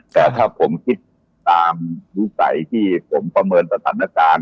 แต่ถ้าผมคิดตามวิสัยที่ผมประเมินสถานการณ์